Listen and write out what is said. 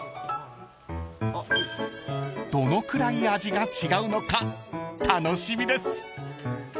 ［どのくらい味が違うのか楽しみです］